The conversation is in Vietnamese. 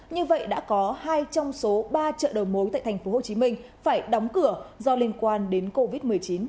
như vậy đã có hai trong số ba chợ đầu mối tại tp hcm phải đóng cửa do liên quan đến covid một mươi chín